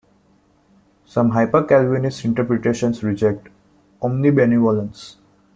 Some Hyper-Calvinist interpretations reject omnibenevolence.